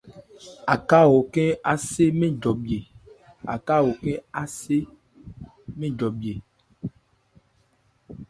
Aká ho khɛ́n á se mɛ́n jɔbhye.